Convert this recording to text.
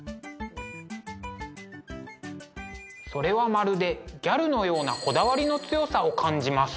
それはまるでギャルのようなこだわりの強さを感じます。